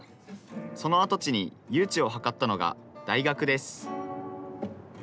その跡地に誘致を図ったのが大学です。